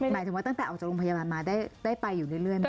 หมายถึงว่าตั้งแต่ออกจากโรงพยาบาลมาได้ไปอยู่เรื่อยไหม